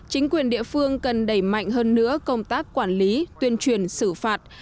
chính quyền địa phương cần đẩy mạnh hơn nữa công tác quản lý tuyên truyền xử phạt